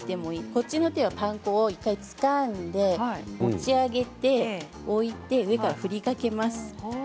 反対の手は１回パン粉をつかんで持ち上げて置いて上から振りかけます。